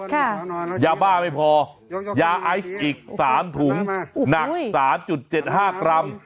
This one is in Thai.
ยาบ้าไม่พอยาไอซ์อีกสามถุงหนักสามจุดเจ็ดห้ากรัม